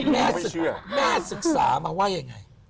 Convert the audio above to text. แม่ศึกษามาว่ายังไง